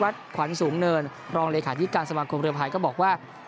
ขวัญสูงเนินรองเลขาธิการสมาคมเรือภายก็บอกว่า